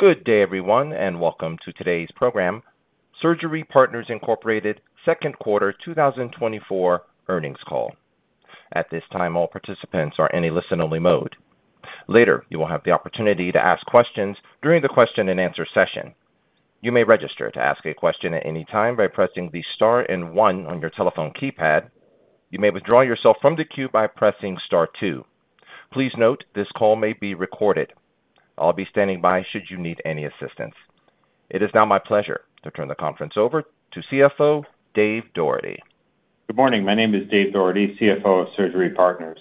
Good day, everyone, and welcome to today's program, Surgery Partners Incorporated second quarter 2024 earnings call. At this time, all participants are in a listen-only mode. Later, you will have the opportunity to ask questions during the question-and-answer session. You may register to ask a question at any time by pressing the star and one on your telephone keypad. You may withdraw yourself from the queue by pressing star two. Please note, this call may be recorded. I'll be standing by should you need any assistance. It is now my pleasure to turn the conference over to CFO, Dave Doherty. Good morning. My name is Dave Doherty, CFO of Surgery Partners.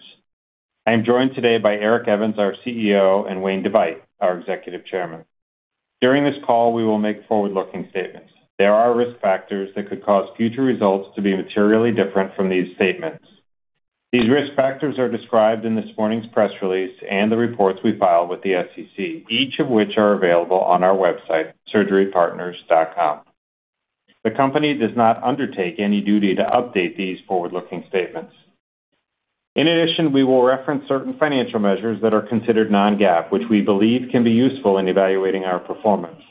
I am joined today by Eric Evans, our CEO, and Wayne DeVeydt, our Executive Chairman. During this call, we will make forward-looking statements. There are risk factors that could cause future results to be materially different from these statements. These risk factors are described in this morning's press release and the reports we filed with the SEC, each of which are available on our website, surgerypartners.com. The company does not undertake any duty to update these forward-looking statements. In addition, we will reference certain financial measures that are considered non-GAAP, which we believe can be useful in evaluating our performance.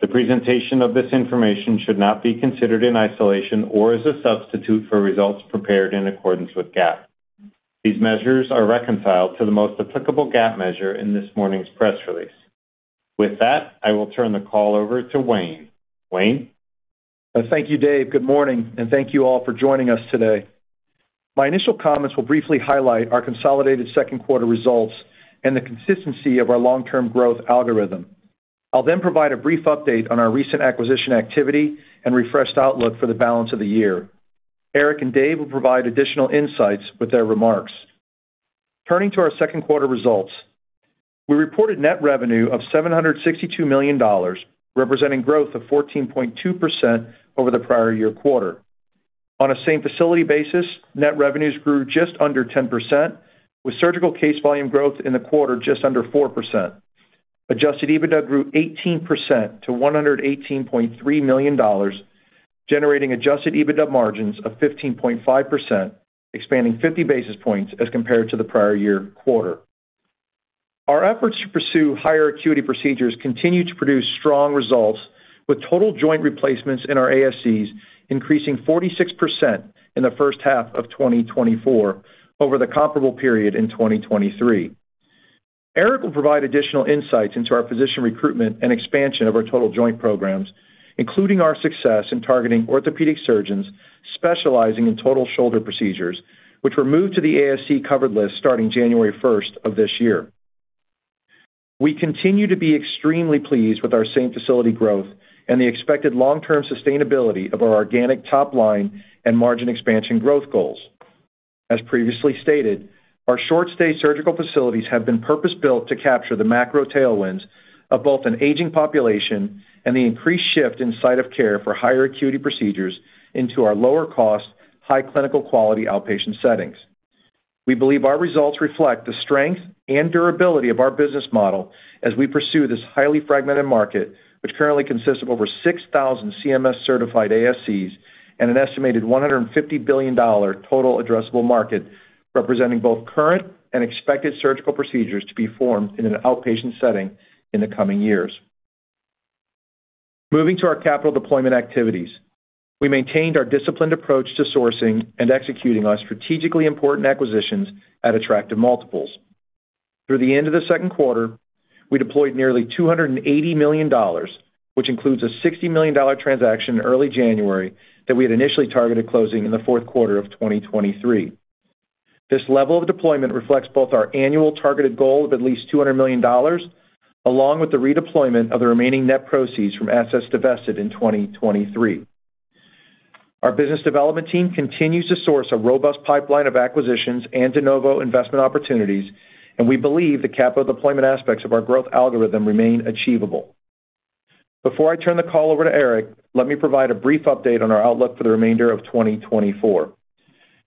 The presentation of this information should not be considered in isolation or as a substitute for results prepared in accordance with GAAP. These measures are reconciled to the most applicable GAAP measure in this morning's press release. With that, I will turn the call over to Wayne. Wayne? Thank you, Dave. Good morning, and thank you all for joining us today. My initial comments will briefly highlight our consolidated second quarter results and the consistency of our long-term growth algorithm. I'll then provide a brief update on our recent acquisition activity and refreshed outlook for the balance of the year. Eric and Dave will provide additional insights with their remarks. Turning to our second quarter results, we reported net revenue of $762 million, representing growth of 14.2% over the prior year quarter. On a same-facility basis, net revenues grew just under 10%, with surgical case volume growth in the quarter just under 4%. Adjusted EBITDA grew 18% to $118.3 million, generating adjusted EBITDA margins of 15.5%, expanding 50 basis points as compared to the prior year quarter. Our efforts to pursue higher acuity procedures continue to produce strong results, with total joint replacements in our ASCs increasing 46% in the first half of 2024 over the comparable period in 2023. Eric will provide additional insights into our physician recruitment and expansion of our total joint programs, including our success in targeting orthopedic surgeons specializing in total shoulder procedures, which were moved to the ASC covered list starting January first of this year. We continue to be extremely pleased with our same facility growth and the expected long-term sustainability of our organic top line and margin expansion growth goals. As previously stated, our short-stay surgical facilities have been purpose-built to capture the macro tailwinds of both an aging population and the increased shift in site of care for higher acuity procedures into our lower-cost, high clinical quality outpatient settings. We believe our results reflect the strength and durability of our business model as we pursue this highly fragmented market, which currently consists of over 6,000 CMS-certified ASCs and an estimated $150 billion total addressable market, representing both current and expected surgical procedures to be formed in an outpatient setting in the coming years. Moving to our capital deployment activities, we maintained our disciplined approach to sourcing and executing on strategically important acquisitions at attractive multiples. Through the end of the second quarter, we deployed nearly $280 million, which includes a $60 million transaction in early January that we had initially targeted closing in the fourth quarter of 2023. This level of deployment reflects both our annual targeted goal of at least $200 million, along with the redeployment of the remaining net proceeds from assets divested in 2023. Our business development team continues to source a robust pipeline of acquisitions and de novo investment opportunities, and we believe the capital deployment aspects of our growth algorithm remain achievable. Before I turn the call over to Eric, let me provide a brief update on our outlook for the remainder of 2024.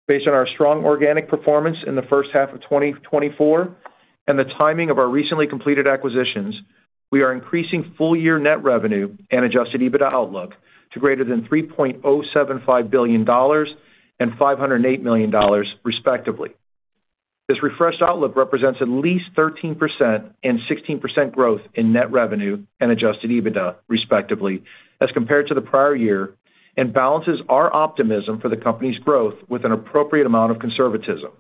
Based on our strong organic performance in the first half of 2024 and the timing of our recently completed acquisitions, we are increasing full-year net revenue and Adjusted EBITDA outlook to greater than $3.075 billion and $508 million, respectively. This refreshed outlook represents at least 13% and 16% growth in net revenue and Adjusted EBITDA, respectively, as compared to the prior year, and balances our optimism for the company's growth with an appropriate amount of conservatism.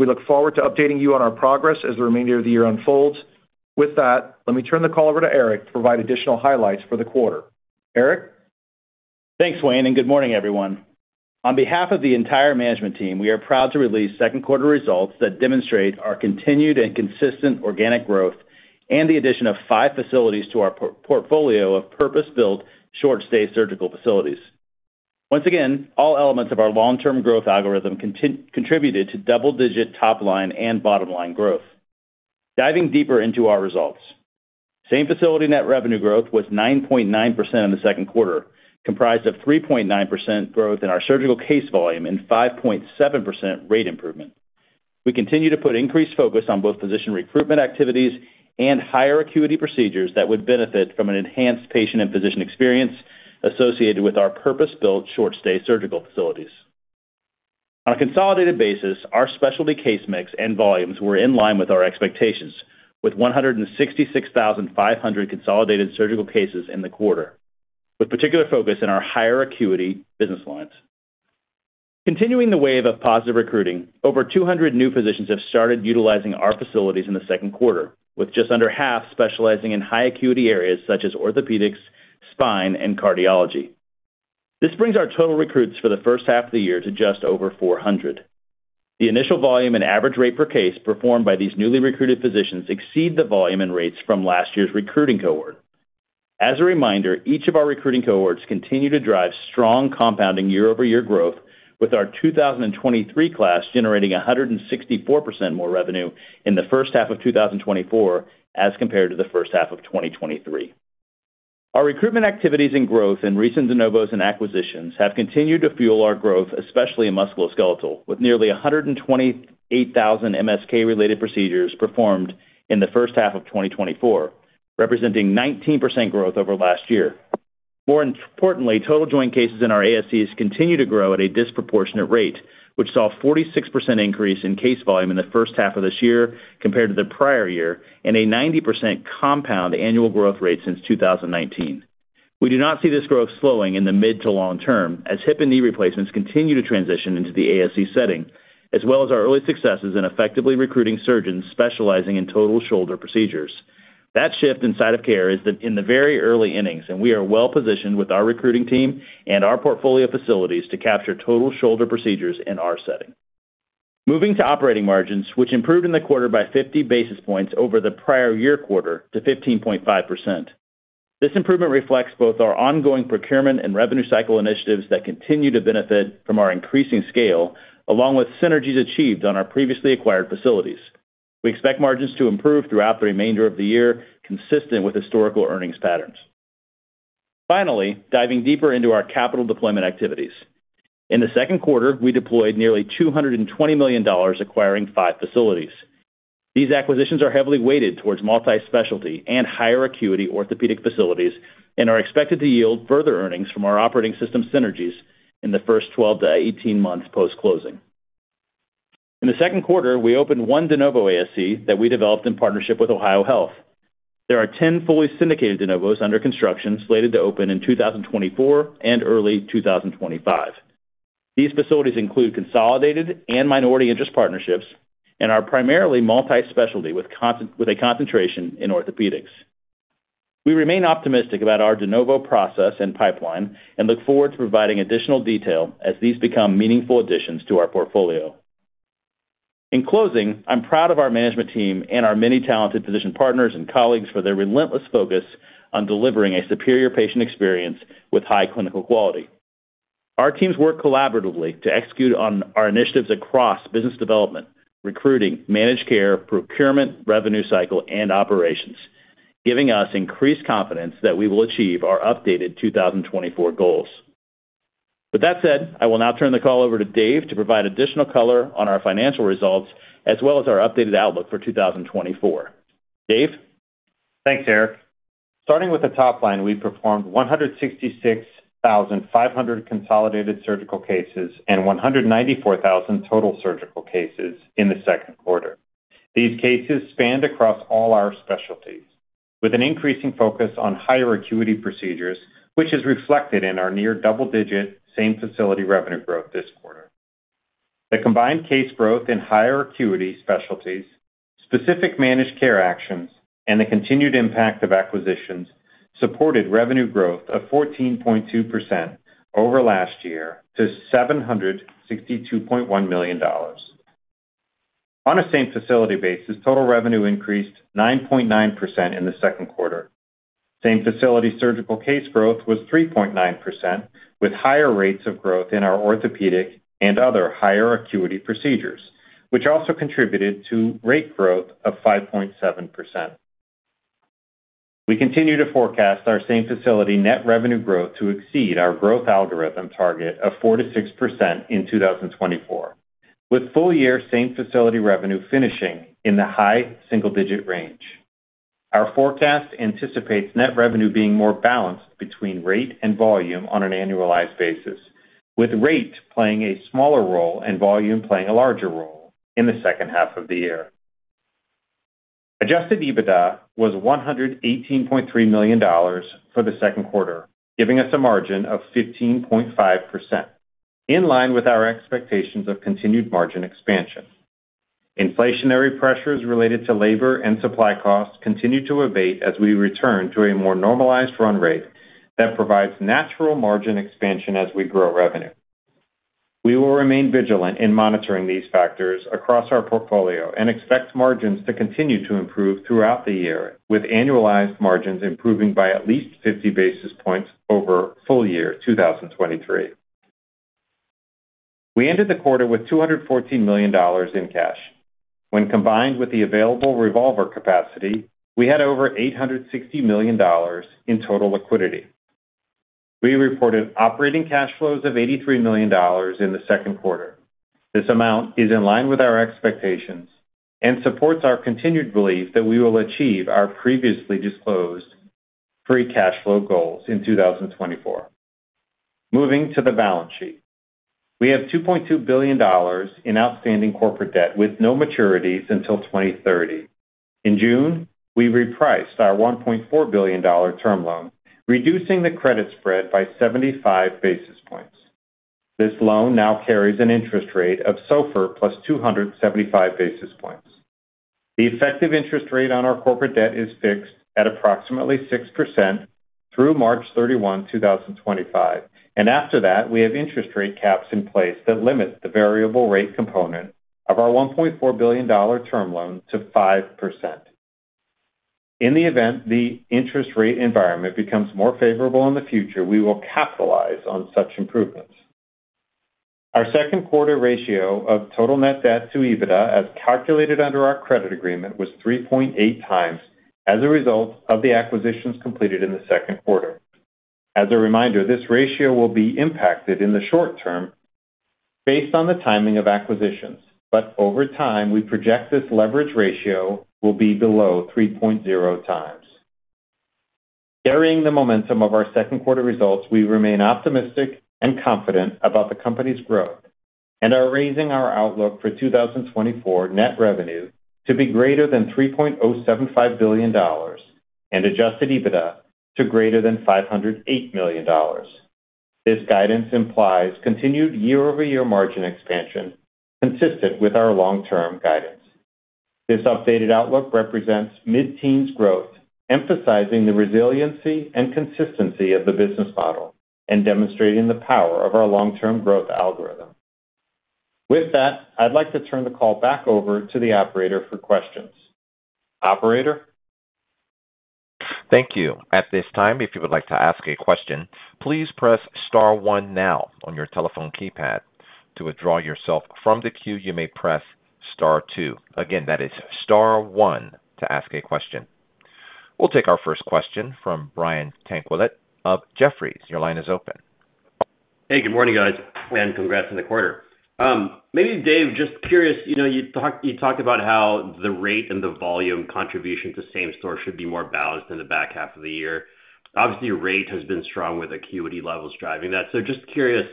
We look forward to updating you on our progress as the remainder of the year unfolds. With that, let me turn the call over to Eric to provide additional highlights for the quarter. Eric? Thanks, Wayne, and good morning, everyone. On behalf of the entire management team, we are proud to release second quarter results that demonstrate our continued and consistent organic growth and the addition of five facilities to our portfolio of purpose-built, short-stay surgical facilities. Once again, all elements of our long-term growth algorithm contributed to double-digit top line and bottom line growth. Diving deeper into our results. Same-facility net revenue growth was 9.9% in the second quarter, comprised of 3.9% growth in our surgical case volume and 5.7% rate improvement. We continue to put increased focus on both physician recruitment activities and higher acuity procedures that would benefit from an enhanced patient and physician experience associated with our purpose-built, short-stay surgical facilities.... On a consolidated basis, our specialty case mix and volumes were in line with our expectations, with 166,500 consolidated surgical cases in the quarter, with particular focus in our higher acuity business lines. Continuing the wave of positive recruiting, over 200 new physicians have started utilizing our facilities in the second quarter, with just under half specializing in high acuity areas such as orthopedics, spine, and cardiology. This brings our total recruits for the first half of the year to just over 400. The initial volume and average rate per case performed by these newly recruited physicians exceed the volume and rates from last year's recruiting cohort. As a reminder, each of our recruiting cohorts continue to drive strong compounding year-over-year growth, with our 2023 class generating 164% more revenue in the first half of 2024, as compared to the first half of 2023. Our recruitment activities and growth in recent de novos and acquisitions have continued to fuel our growth, especially in musculoskeletal, with nearly 128,000 MSK-related procedures performed in the first half of 2024, representing 19% growth over last year. More importantly, total joint cases in our ASCs continue to grow at a disproportionate rate, which saw a 46% increase in case volume in the first half of this year compared to the prior year, and a 90% compound annual growth rate since 2019. We do not see this growth slowing in the mid to long term, as hip and knee replacements continue to transition into the ASC setting, as well as our early successes in effectively recruiting surgeons specializing in total shoulder procedures. That shift in site of care is in the very early innings, and we are well positioned with our recruiting team and our portfolio of facilities to capture total shoulder procedures in our setting. Moving to operating margins, which improved in the quarter by 50 basis points over the prior year quarter to 15.5%. This improvement reflects both our ongoing procurement and revenue cycle initiatives that continue to benefit from our increasing scale, along with synergies achieved on our previously acquired facilities. We expect margins to improve throughout the remainder of the year, consistent with historical earnings patterns. Finally, diving deeper into our capital deployment activities. In the second quarter, we deployed nearly $220 million acquiring 5 facilities. These acquisitions are heavily weighted towards multi-specialty and higher acuity orthopedic facilities, and are expected to yield further earnings from our operating system synergies in the first 12-18 months post-closing. In the second quarter, we opened 1 de novo ASC that we developed in partnership with OhioHealth. There are 10 fully syndicated de novos under construction, slated to open in 2024 and early 2025. These facilities include consolidated and minority interest partnerships, and are primarily multi-specialty, with a concentration in orthopedics. We remain optimistic about our de novo process and pipeline, and look forward to providing additional detail as these become meaningful additions to our portfolio. In closing, I'm proud of our management team and our many talented physician partners and colleagues for their relentless focus on delivering a superior patient experience with high clinical quality. Our teams work collaboratively to execute on our initiatives across business development, recruiting, managed care, procurement, revenue cycle, and operations, giving us increased confidence that we will achieve our updated 2024 goals. With that said, I will now turn the call over to Dave to provide additional color on our financial results, as well as our updated outlook for 2024. Dave? Thanks, Eric. Starting with the top line, we performed 166,500 consolidated surgical cases and 194,000 total surgical cases in the second quarter. These cases spanned across all our specialties, with an increasing focus on higher acuity procedures, which is reflected in our near double-digit same-facility revenue growth this quarter. The combined case growth in higher acuity specialties, specific managed care actions, and the continued impact of acquisitions supported revenue growth of 14.2% over last year to $762.1 million. On a same-facility basis, total revenue increased 9.9% in the second quarter. Same-facility surgical case growth was 3.9%, with higher rates of growth in our orthopedic and other higher acuity procedures, which also contributed to rate growth of 5.7%. We continue to forecast our same-facility net revenue growth to exceed our growth algorithm target of 4%-6% in 2024, with full-year same-facility revenue finishing in the high single-digit range. Our forecast anticipates net revenue being more balanced between rate and volume on an annualized basis, with rate playing a smaller role and volume playing a larger role in the second half of the year. Adjusted EBITDA was $118.3 million for the second quarter, giving us a margin of 15.5%, in line with our expectations of continued margin expansion. Inflationary pressures related to labor and supply costs continue to abate as we return to a more normalized run rate that provides natural margin expansion as we grow revenue. We will remain vigilant in monitoring these factors across our portfolio and expect margins to continue to improve throughout the year, with annualized margins improving by at least 50 basis points over full year 2023. We ended the quarter with $214 million in cash. When combined with the available revolver capacity, we had over $860 million in total liquidity. We reported operating cash flows of $83 million in the second quarter. This amount is in line with our expectations and supports our continued belief that we will achieve our previously disclosed free cash flow goals in 2024. Moving to the balance sheet. We have $2.2 billion in outstanding corporate debt, with no maturities until 2030. In June, we repriced our $1.4 billion term loan, reducing the credit spread by 75 basis points. This loan now carries an interest rate of SOFR plus 275 basis points. The effective interest rate on our corporate debt is fixed at approximately 6% through March 31, 2025, and after that, we have interest rate caps in place that limit the variable rate component of our $1.4 billion term loan to 5%. In the event the interest rate environment becomes more favorable in the future, we will capitalize on such improvements. Our second quarter ratio of total net debt to EBITDA, as calculated under our credit agreement, was 3.8 times as a result of the acquisitions completed in the second quarter. As a reminder, this ratio will be impacted in the short term based on the timing of acquisitions, but over time, we project this leverage ratio will be below 3.0 times. Carrying the momentum of our second quarter results, we remain optimistic and confident about the company's growth and are raising our outlook for 2024 net revenue to be greater than $3.075 billion, and Adjusted EBITDA to greater than $508 million. This guidance implies continued year-over-year margin expansion consistent with our long-term guidance. This updated outlook represents mid-teens growth, emphasizing the resiliency and consistency of the business model and demonstrating the power of our long-term growth algorithm. With that, I'd like to turn the call back over to the operator for questions. Operator? Thank you. At this time, if you would like to ask a question, please press star one now on your telephone keypad. To withdraw yourself from the queue, you may press star two. Again, that is star one to ask a question. We'll take our first question from Brian Tanquilut of Jefferies. Your line is open. Hey, good morning, guys, and congrats on the quarter. Maybe, Dave, just curious, you know, you talked, you talked about how the rate and the volume contribution to same store should be more balanced in the back half of the year. Obviously, your rate has been strong with acuity levels driving that. So just curious,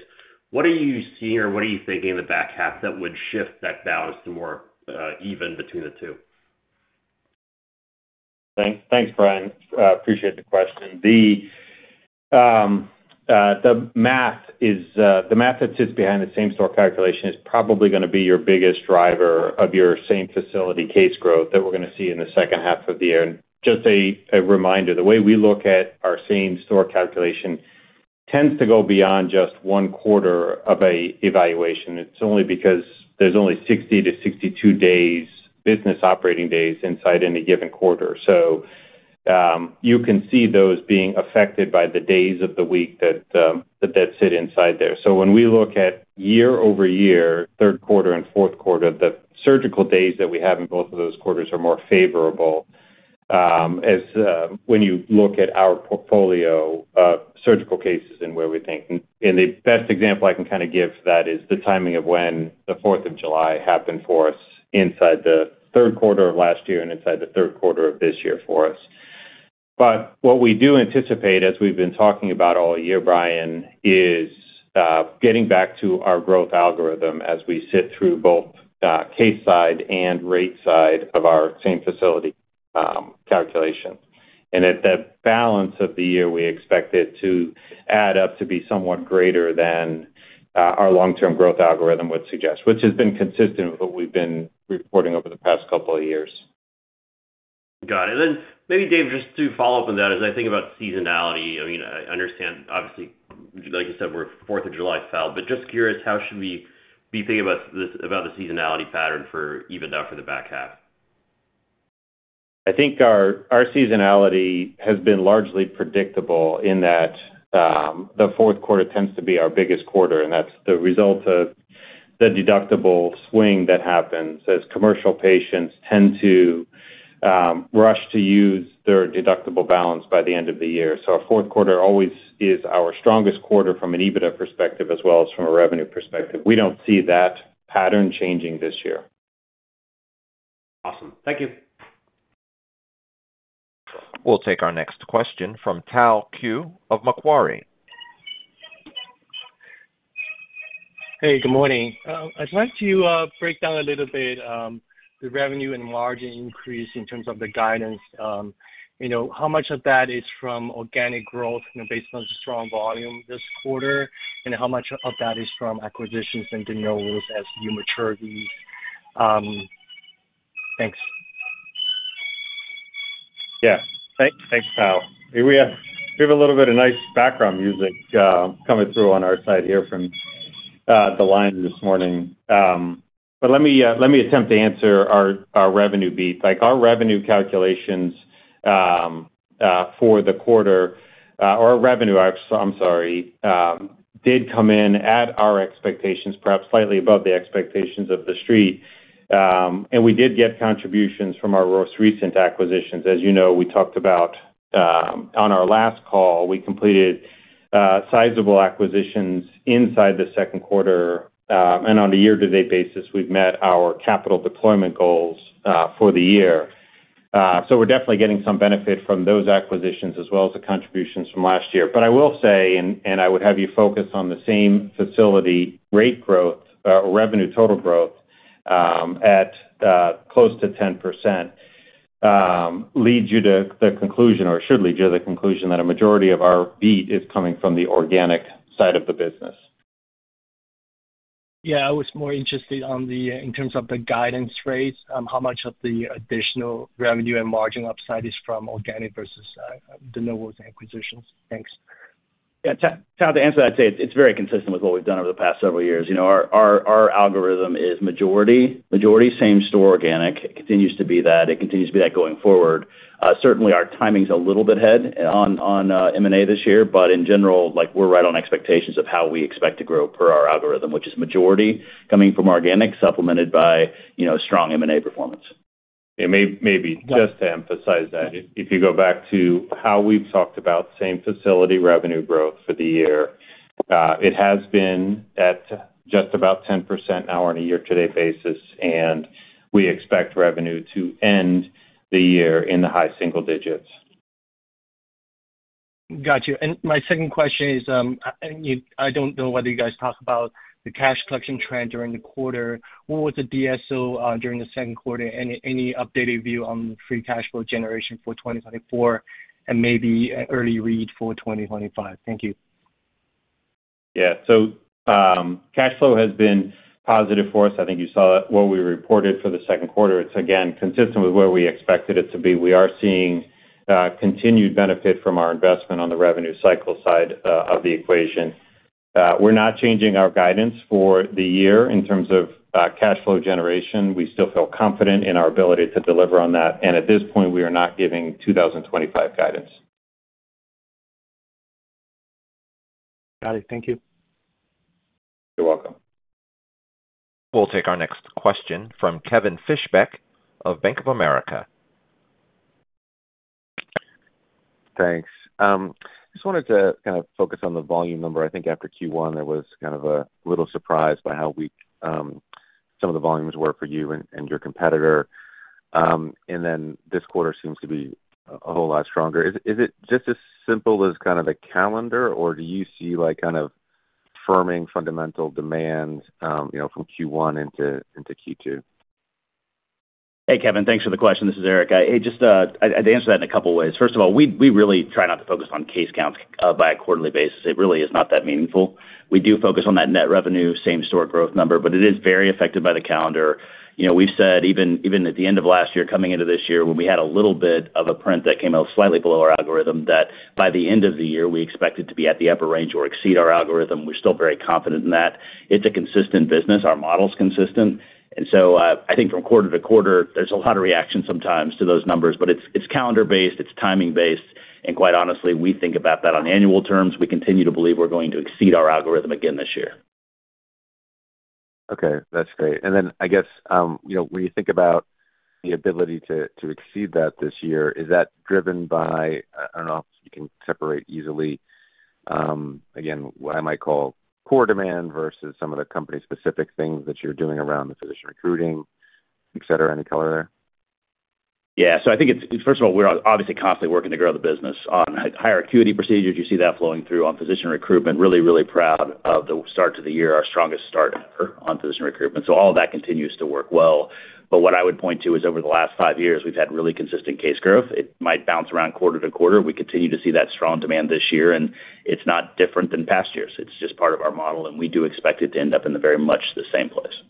what are you seeing or what are you thinking in the back half that would shift that balance to more even between the two? Thanks, thanks, Brian. Appreciate the question. The math is the math that sits behind the same store calculation is probably gonna be your biggest driver of your same facility case growth that we're gonna see in the second half of the year. And just a reminder, the way we look at our same store calculation tends to go beyond just one quarter of an evaluation. It's only because there's only 60-62 business operating days inside any given quarter. So, you can see those being affected by the days of the week that sit inside there. So when we look at year-over-year, third quarter and fourth quarter, the surgical days that we have in both of those quarters are more favorable, as, when you look at our portfolio of surgical cases and where we think. And the best example I can kind of give for that is the timing of when the Fourth of July happened for us inside the third quarter of last year and inside the third quarter of this year for us. But what we do anticipate, as we've been talking about all year, Brian, is getting back to our growth algorithm as we sit through both, case side and rate side of our same facility, calculations. At that balance of the year, we expect it to add up to be somewhat greater than our long-term growth algorithm would suggest, which has been consistent with what we've been reporting over the past couple of years. Got it. And then maybe, Dave, just to follow up on that, as I think about seasonality, I mean, I understand, obviously, like you said, we're Fourth of July lull, but just curious, how should we be thinking about the seasonality pattern even now for the back half? I think our seasonality has been largely predictable in that, the fourth quarter tends to be our biggest quarter, and that's the result of the deductible swing that happens as commercial patients tend to, rush to use their deductible balance by the end of the year. So our fourth quarter always is our strongest quarter from an EBITDA perspective, as well as from a revenue perspective. We don't see that pattern changing this year. Awesome. Thank you. We'll take our next question from Tao Qiu of Macquarie. Hey, good morning. I'd like to break down a little bit the revenue and margin increase in terms of the guidance. You know, how much of that is from organic growth, you know, based on the strong volume this quarter, and how much of that is from acquisitions and de novos as you mature these? Thanks. Yeah, thanks, Tao. We have a little bit of nice background music coming through on our side here from the line this morning. But let me attempt to answer our revenue beat. Like, our revenue calculations for the quarter, our revenue actually, I'm sorry, did come in at our expectations, perhaps slightly above the expectations of the street. And we did get contributions from our most recent acquisitions. As you know, we talked about on our last call, we completed sizable acquisitions inside the second quarter. And on the year-to-date basis, we've met our capital deployment goals for the year. So we're definitely getting some benefit from those acquisitions as well as the contributions from last year. But I will say, I would have you focus on the same-facility rate growth, revenue total growth, at close to 10%, leads you to the conclusion or should lead you to the conclusion that a majority of our beat is coming from the organic side of the business. Yeah, I was more interested on the, in terms of the guidance rates, how much of the additional revenue and margin upside is from organic versus the novel acquisitions? Thanks. Yeah, to answer that, I'd say it's very consistent with what we've done over the past several years. You know, our algorithm is majority same-store organic. It continues to be that, it continues to be that going forward. Certainly, our timing's a little bit ahead on M&A this year, but in general, like, we're right on expectations of how we expect to grow per our algorithm, which is majority coming from organic, supplemented by, you know, strong M&A performance. Maybe just to emphasize that, if you go back to how we've talked about same-facility revenue growth for the year, it has been at just about 10% now on a year-to-date basis, and we expect revenue to end the year in the high single digits. Got you. And my second question is, and you—I don't know whether you guys talk about the cash collection trend during the quarter. What was the DSO during the second quarter? Any updated view on the free cash flow generation for 2024 and maybe an early read for 2025? Thank you. Yeah. So, cash flow has been positive for us. I think you saw what we reported for the second quarter. It's, again, consistent with where we expected it to be. We are seeing, continued benefit from our investment on the revenue cycle side, of the equation. We're not changing our guidance for the year in terms of, cash flow generation. We still feel confident in our ability to deliver on that, and at this point, we are not giving 2025 guidance. Got it. Thank you. You're welcome. We'll take our next question from Kevin Fischbeck of Bank of America. Thanks. Just wanted to kind of focus on the volume number. I think after Q1, there was kind of a little surprised by how weak some of the volumes were for you and your competitor. And then this quarter seems to be a whole lot stronger. Is it just as simple as kind of a calendar, or do you see like kind of firming fundamental demand, you know, from Q1 into Q2? Hey, Kevin, thanks for the question. This is Eric. I'd answer that in a couple of ways. First of all, we really try not to focus on case counts by a quarterly basis. It really is not that meaningful. We do focus on that net revenue, same-store growth number, but it is very affected by the calendar. You know, we've said even at the end of last year, coming into this year, when we had a little bit of a print that came out slightly below our algorithm, that by the end of the year, we expected to be at the upper range or exceed our algorithm. We're still very confident in that. It's a consistent business, our model is consistent, and so, I think from quarter to quarter, there's a lot of reaction sometimes to those numbers, but it's, it's calendar-based, it's timing-based, and quite honestly, we think about that on annual terms. We continue to believe we're going to exceed our algorithm again this year. Okay, that's great. And then, I guess, you know, when you think about the ability to exceed that this year, is that driven by... I don't know if you can separate easily, again, what I might call core demand versus some of the company-specific things that you're doing around the physician recruiting, etc. Any color there? Yeah, so I think it's—first of all, we're obviously constantly working to grow the business on higher acuity procedures. You see that flowing through on physician recruitment. Really, really proud of the start to the year, our strongest start ever on physician recruitment. So all that continues to work well. But what I would point to is over the last five years, we've had really consistent case growth. It might bounce around quarter to quarter. We continue to see that strong demand this year, and it's not different than past years. It's just part of our model, and we do expect it to end up in the very much the same place.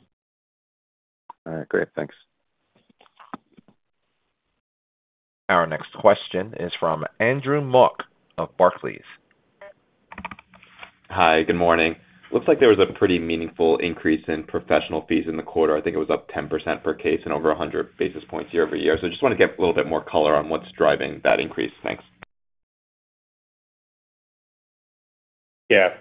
All right, great. Thanks. Our next question is from Andrew Mok of Barclays. Hi, good morning. Looks like there was a pretty meaningful increase in professional fees in the quarter. I think it was up 10% per case and over 100 basis points year-over-year. So just want to get a little bit more color on what's driving that increase. Thanks. Yeah,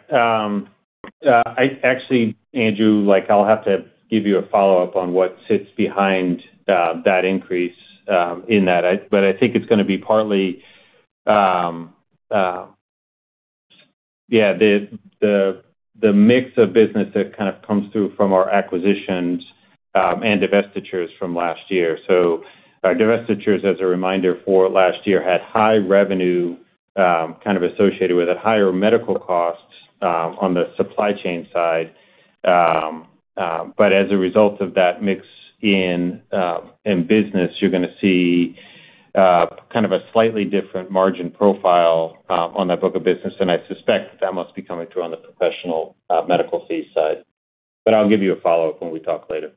I actually, Andrew, like, I'll have to give you a follow-up on what sits behind that increase in that. But I think it's going to be partly yeah, the mix of business that kind of comes through from our acquisitions and divestitures from last year. So our divestitures, as a reminder, for last year, had high revenue kind of associated with it, higher medical costs on the supply chain side. But as a result of that mix in business, you're going to see kind of a slightly different margin profile on that book of business, and I suspect that must be coming through on the professional medical fees side. But I'll give you a follow-up when we talk later.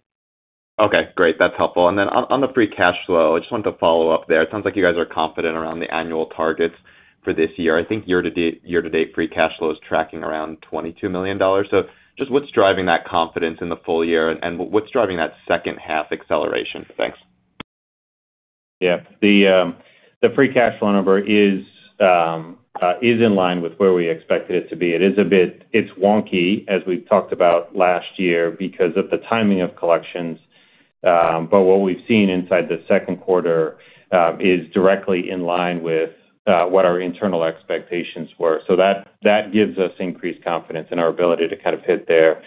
Okay, great. That's helpful. And then on, on the free cash flow, I just wanted to follow up there. It sounds like you guys are confident around the annual targets for this year. I think year to date, year to date, free cash flow is tracking around $22 million. So just what's driving that confidence in the full year, and what's driving that second half acceleration? Thanks. Yeah. The free cash flow number is in line with where we expected it to be. It is a bit, it's wonky, as we've talked about last year, because of the timing of collections.... But what we've seen inside the second quarter is directly in line with what our internal expectations were. So that, that gives us increased confidence in our ability to kind of hit there.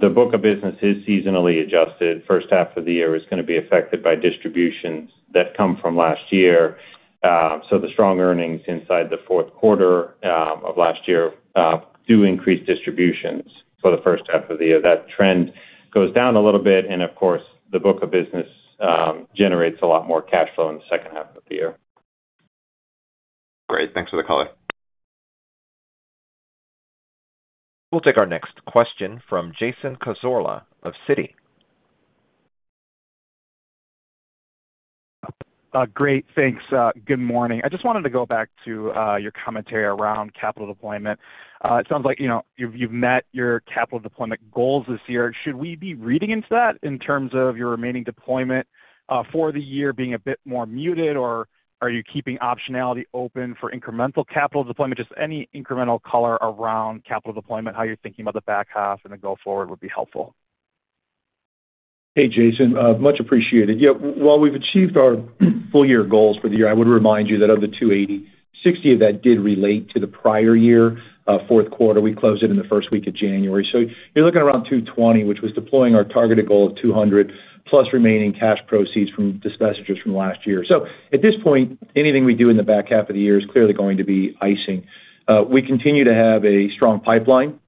The book of business is seasonally adjusted. First half of the year is gonna be affected by distributions that come from last year. So the strong earnings inside the fourth quarter of last year do increase distributions for the first half of the year. That trend goes down a little bit, and of course, the book of business generates a lot more cash flow in the second half of the year. Great, thanks for the color. We'll take our next question from Jason Cassorla of Citi. Great, thanks. Good morning. I just wanted to go back to your commentary around capital deployment. It sounds like, you know, you've met your capital deployment goals this year. Should we be reading into that in terms of your remaining deployment for the year being a bit more muted, or are you keeping optionality open for incremental capital deployment? Just any incremental color around capital deployment, how you're thinking about the back half and then go forward would be helpful. Hey, Jason, much appreciated. Yeah, while we've achieved our full year goals for the year, I would remind you that of the $280, $60 of that did relate to the prior year, fourth quarter. We closed it in the first week of January. So you're looking around $220, which was deploying our targeted goal of $200, plus remaining cash proceeds from dispositions from last year. So at this point, anything we do in the back half of the year is clearly going to be icing. We continue to have a strong pipeline.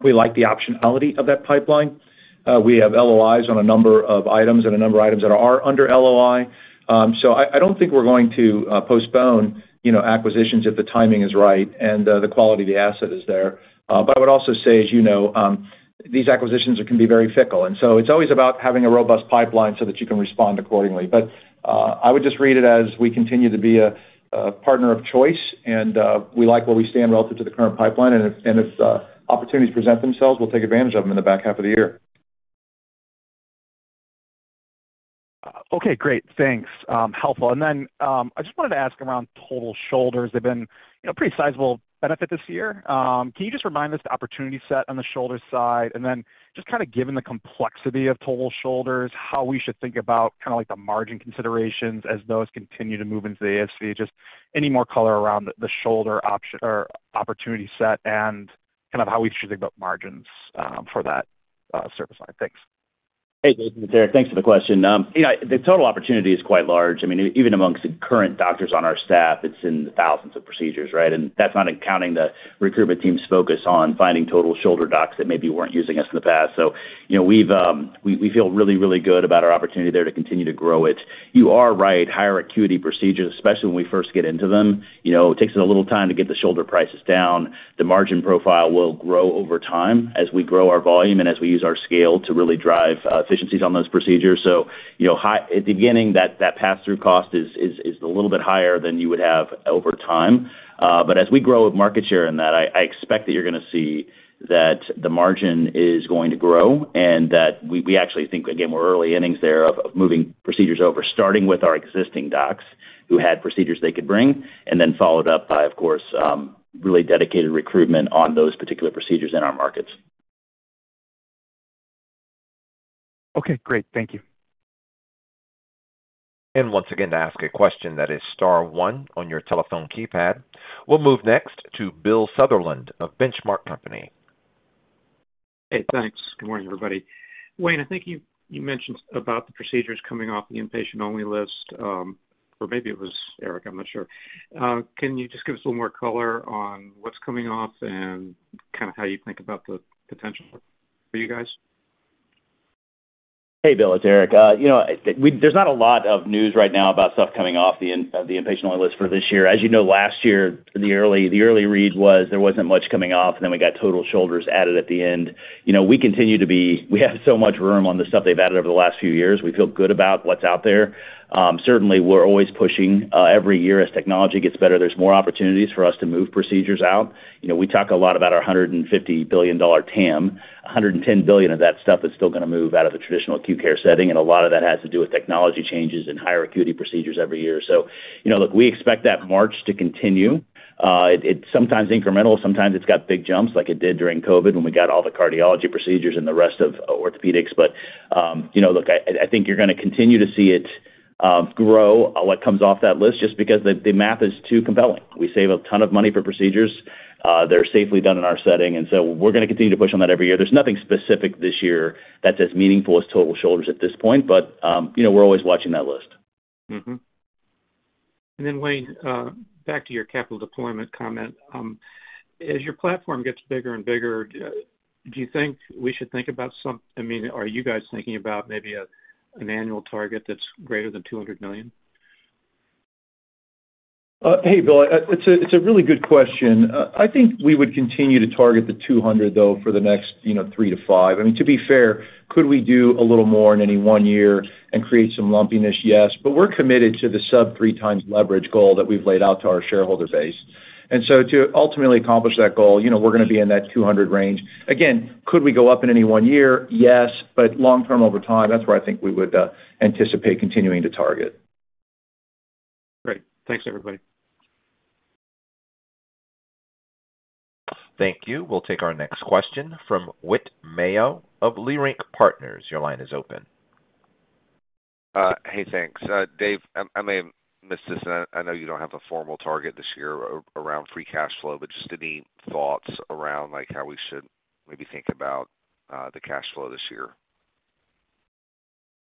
We like the optionality of that pipeline. We have LOIs on a number of items and a number of items that are under LOI. So I don't think we're going to postpone, you know, acquisitions if the timing is right and the quality of the asset is there. But I would also say, as you know, these acquisitions can be very fickle, and so it's always about having a robust pipeline so that you can respond accordingly. But I would just read it as we continue to be a partner of choice, and we like where we stand relative to the current pipeline, and if opportunities present themselves, we'll take advantage of them in the back half of the year. Okay, great. Thanks, helpful. And then I just wanted to ask around total shoulders. They've been, you know, pretty sizable benefit this year. Can you just remind us the opportunity set on the shoulder side? And then just kind of given the complexity of total shoulders, how we should think about kind of like the margin considerations as those continue to move into the ASC. Just any more color around the shoulder opportunity set and kind of how we should think about margins for that service line. Thanks. Hey, Jason, it's Eric. Thanks for the question. Yeah, the total opportunity is quite large. I mean, even amongst the current doctors on our staff, it's in the thousands of procedures, right? And that's not accounting the recruitment team's focus on finding total shoulder docs that maybe weren't using us in the past. So, you know, we've we feel really, really good about our opportunity there to continue to grow it. You are right, higher acuity procedures, especially when we first get into them, you know, it takes a little time to get the shoulder prices down. The margin profile will grow over time as we grow our volume and as we use our scale to really drive efficiencies on those procedures. So, you know, at the beginning, that pass-through cost is a little bit higher than you would have over time. But as we grow with market share in that, I expect that you're gonna see that the margin is going to grow, and that we actually think, again, we're early innings there of moving procedures over, starting with our existing docs who had procedures they could bring, and then followed up by, of course, really dedicated recruitment on those particular procedures in our markets. Okay, great. Thank you. And once again, to ask a question that is star one on your telephone keypad. We'll move next to Bill Sutherland of Benchmark Company. Hey, thanks. Good morning, everybody. Wayne, I think you mentioned about the procedures coming off the inpatient-only list, or maybe it was Eric, I'm not sure. Can you just give us a little more color on what's coming off and kind of how you think about the potential for you guys? Hey, Bill, it's Eric. You know, there's not a lot of news right now about stuff coming off the inpatient-only list for this year. As you know, last year, the early read was there wasn't much coming off, and then we got total shoulders added at the end. You know, we continue to be. We have so much room on the stuff they've added over the last few years. We feel good about what's out there. Certainly, we're always pushing every year. As technology gets better, there's more opportunities for us to move procedures out. You know, we talk a lot about our $150 billion TAM. $110 billion of that stuff is still gonna move out of the traditional acute care setting, and a lot of that has to do with technology changes and higher acuity procedures every year. So, you know, look, we expect that march to continue. It, it's sometimes incremental, sometimes it's got big jumps, like it did during COVID, when we got all the cardiology procedures and the rest of orthopedics. But, you know, look, I think you're gonna continue to see it grow what comes off that list, just because the math is too compelling. We save a ton of money for procedures. They're safely done in our setting, and so we're gonna continue to push on that every year. There's nothing specific this year that's as meaningful as total shoulders at this point, but, you know, we're always watching that list. Mm-hmm. And then, Wayne, back to your capital deployment comment. As your platform gets bigger and bigger, do you think we should think about, I mean, are you guys thinking about maybe a an annual target that's greater than $200 million? Hey, Bill. It's a really good question. I think we would continue to target the 200, though, for the next, you know, 3-5. I mean, to be fair, could we do a little more in any one year and create some lumpiness? Yes. But we're committed to the sub-3 times leverage goal that we've laid out to our shareholder base. And so to ultimately accomplish that goal, you know, we're gonna be in that 200 range. Again, could we go up in any one year? Yes, but long term, over time, that's where I think we would anticipate continuing to target. Great. Thanks, everybody. Thank you. We'll take our next question from Whit Mayo of Leerink Partners. Your line is open. Hey, thanks. Dave, I may have missed this, and I know you don't have a formal target this year around free cash flow, but just any thoughts around, like, how we should maybe think about the cash flow this year?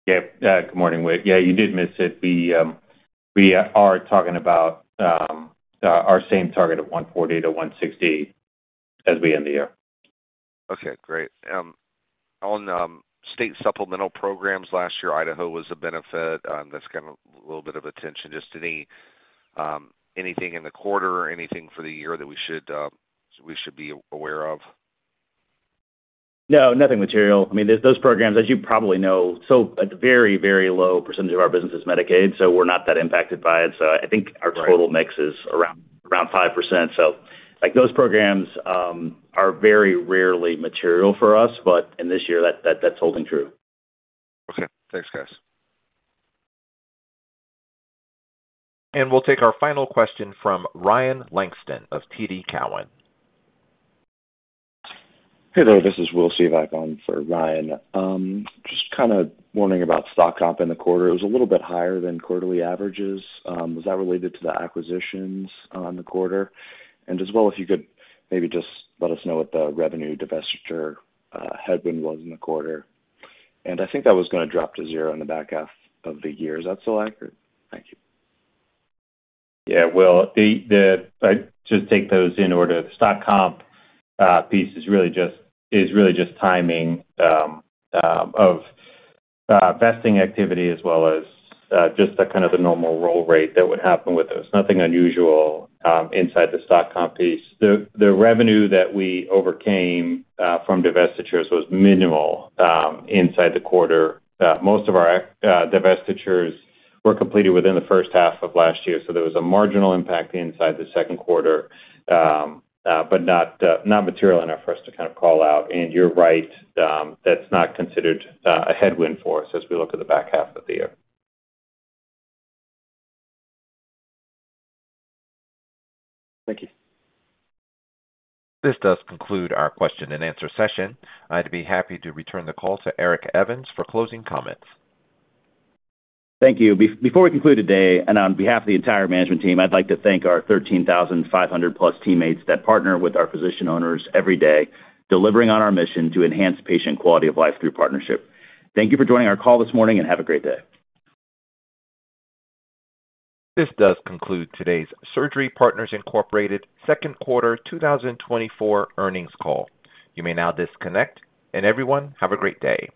Yeah. Good morning, Whit. Yeah, you did miss it. We, we are talking about, our same target of $140-$160 as we end the year. Okay, great. On state supplemental programs last year, Idaho was a benefit, that's gotten a little bit of attention. Just any anything in the quarter or anything for the year that we should we should be aware of? No, nothing material. I mean, those programs, as you probably know, so a very, very low percentage of our business is Medicaid, so we're not that impacted by it. So I think our total- Right... mix is around 5%. So, like, those programs are very rarely material for us, but and this year, that's holding true. Okay. Thanks, guys. We'll take our final question from Ryan Langston of TD Cowen. Hey there, this is Will Sevack on for Ryan. Just kinda wondering about stock comp in the quarter. It was a little bit higher than quarterly averages. Was that related to the acquisitions in the quarter? And as well, if you could maybe just let us know what the revenue divestiture headwind was in the quarter. And I think that was gonna drop to zero in the back half of the year. Is that still accurate? Thank you. Yeah, Will, I just take those in order. The stock comp piece is really just timing of vesting activity as well as just the kind of normal roll rate that would happen with those. Nothing unusual inside the stock comp piece. The revenue that we overcame from divestitures was minimal inside the quarter. Most of our divestitures were completed within the first half of last year, so there was a marginal impact inside the second quarter, but not material enough for us to kind of call out. You're right, that's not considered a headwind for us as we look at the back half of the year. Thank you. This does conclude our question and answer session. I'd be happy to return the call to Eric Evans for closing comments. Thank you. Before we conclude today, and on behalf of the entire management team, I'd like to thank our 13,500+ teammates that partner with our physician owners every day, delivering on our mission to enhance patient quality of life through partnership. Thank you for joining our call this morning, and have a great day. This does conclude today's Surgery Partners Incorporated second quarter 2024 earnings call. You may now disconnect, and everyone, have a great day.